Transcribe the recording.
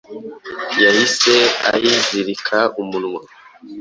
yahise ayizirika umunwa